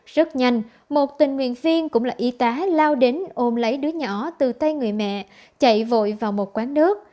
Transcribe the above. rất nhanh một tình nguyện viên cũng là y tá lao đến ôm lấy đứa nhỏ từ tay người mẹ chạy vội vào một quán nước